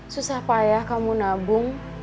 susah payah kamu nabung